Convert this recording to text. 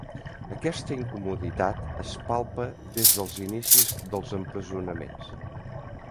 Aquesta incomoditat es palpa des dels inicis dels empresonaments.